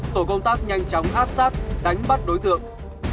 tổ công tác nhanh chóng áp sát đánh bắt đối tượng